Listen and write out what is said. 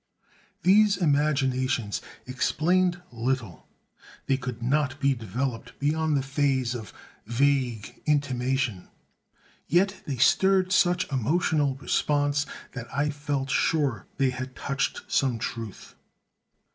These imaginations explained little; they could not be developed beyond the phase of vague intimation: yet they stirred such emotional response that I felt sure they had touched some truth.